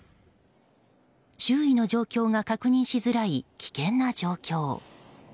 周囲の状況が確認しづらい危険な状況。